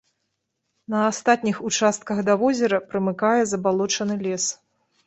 На астатніх участках да возера прымыкае забалочаны лес.